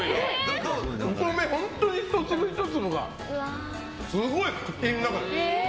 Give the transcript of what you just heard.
お米、本当に１粒１粒がすごい口の中で。